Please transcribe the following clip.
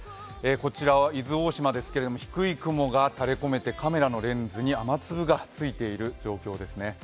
こちらは伊豆大島ですけれども、低い雲が垂れこめてカメラのレンズに雨粒がついている状況ですね。